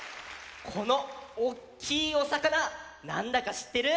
このおっきいおさかななんだかしってる？